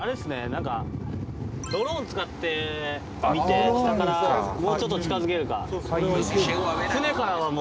なんかドローン使ってみて下からもうちょっと近付けるか。